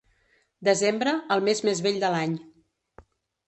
Desembre, el mes més vell de l'any.